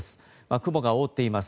雲が覆っています。